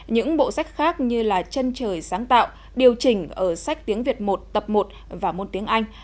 những bộ sách khác như là trân trời sáng tạo điều chỉnh ở sách tiếng việt một tập một và môn tiếng anh